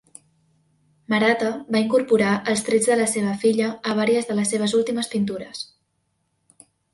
Maratta va incorporar els trets de la seva filla a vàries de les seves últimes pintures.